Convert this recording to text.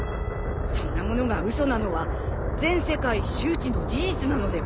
そんなものが嘘なのは全世界周知の事実なのでは？